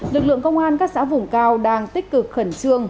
lực lượng công an các xã vùng cao đang tích cực khẩn trương